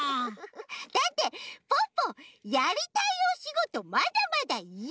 だってポッポやりたいおしごとまだまだいっぱいあるんだもん！